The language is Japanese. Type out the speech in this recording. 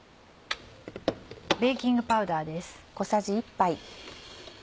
ベーキングパウダーです。